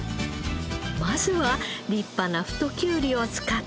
まずは立派な太きゅうりを使って。